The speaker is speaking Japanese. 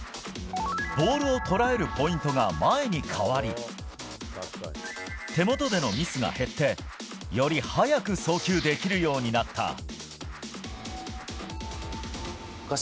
ボールを捉えるポイントが前に変わり手元でのミスが減ってより早く送球できるようになった。